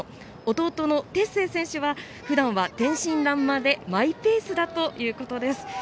弟の哲星選手は、ふだんは天真らんまんでマイペースだということです。